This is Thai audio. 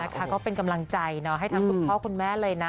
ก็เป็นกำลังใจให้ทั้งคุณพ่อคุณแม่เลยนะ